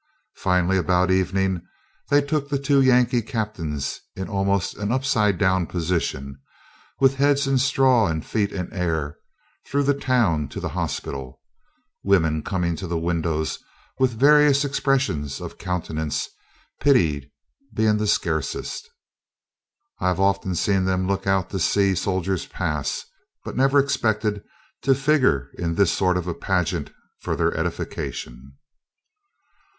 Finally, about evening, they took the two Yankee captains, in almost an upside down position, with heads in straw and feet in air, through the town to the hospital, women coming to the windows with various expressions of countenance, pity being the scarcest. I've often seen them look out to see soldiers pass, but never expected to figure in this sort of a pageant for their edification.